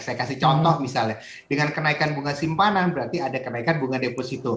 saya kasih contoh misalnya dengan kenaikan bunga simpanan berarti ada kenaikan bunga deposito